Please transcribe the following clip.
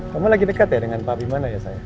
kamu lagi dekat ya dengan pak bimana ya saya